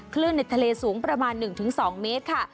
คลื่นในทะเลสูงประมาณ๑๒เมตรค่ะ